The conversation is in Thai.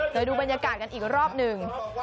เดี๋ยวดูบรรยากาศกันอีกรอบหนึ่ง